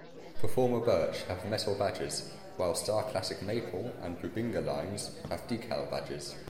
Performer Birch have metal badges while Starclassic Maple and Bubinga lines have decal badges.